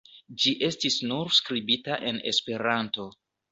Ĝi estis nur skribita en Esperanto.